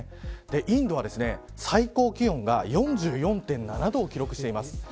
インドは最高気温が４４．７度を記録しています。